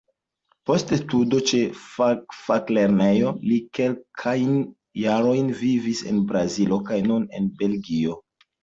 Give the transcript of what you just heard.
Post studo ĉe faklernejo li kelkajn jarojn vivis en Brazilo kaj nun en Belgio.